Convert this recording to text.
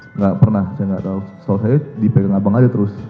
tidak pernah saya tidak tahu soalnya saya dipegang abang saja terus